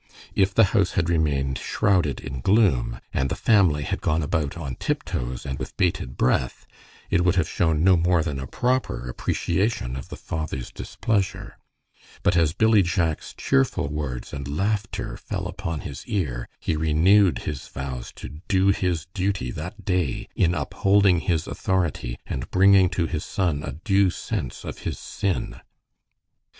If the house had remained shrouded in gloom, and the family had gone about on tiptoes and with bated breath, it would have shown no more than a proper appreciation of the father's displeasure; but as Billy Jack's cheerful words and laughter fell upon his ear, he renewed his vows to do his duty that day in upholding his authority, and bringing to his son a due sense of his sin.